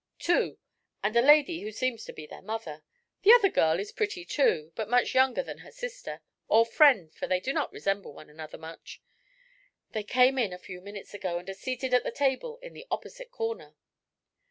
"Two; and a lady who seems to be their mother. The other girl is pretty, too, but much younger than her sister or friend, for they do not resemble one another much. They came in a few minutes ago and are seated at the table in the opposite corner."